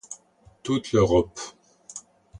Toute l'Europe.